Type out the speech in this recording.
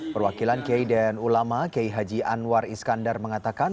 perwakilan kiai dan ulama kiai haji anwar iskandar mengatakan